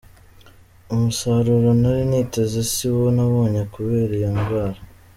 Umusaruro nari niteze si wo nabonye kubera iyo ndwara.